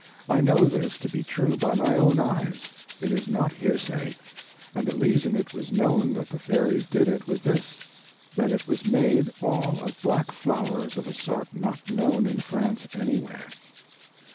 I know this to be true by my own eyes; it is not hearsay. And the reason it was known that the fairies did it was this—that it was made all of black flowers of a sort not known in France anywhere.